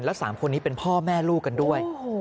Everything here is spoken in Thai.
แล้ว๓คนนี้เป็นพ่อแม่ลูกกันด้วย